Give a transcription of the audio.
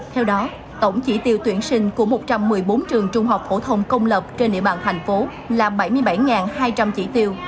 theo đó tổng chỉ tiêu tuyển sinh của một trăm một mươi bốn trường trung học phổ thông công lập trên địa bàn thành phố là bảy mươi bảy hai trăm linh chỉ tiêu